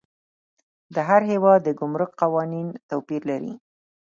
د هر هیواد د ګمرک قوانین توپیر لري.